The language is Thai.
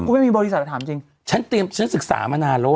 ไม่มีบริษัทถามจริงฉันสึกษามานานแล้ว